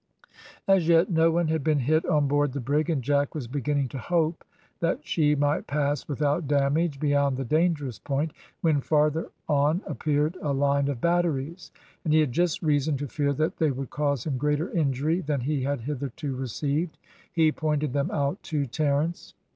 As yet no one had been hit on board the brig, and Jack was beginning to hope that she might pass without damage beyond the dangerous point, when farther on appeared a line of batteries, and he had just reason to fear that they would cause him greater injury than he had hitherto received. He pointed them out to Terence.